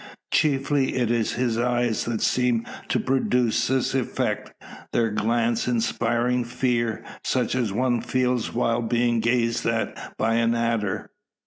Chiefly is it his eyes that seem to produce this effect; their glance inspiring fear, such as one feels while being gazed at by an adder.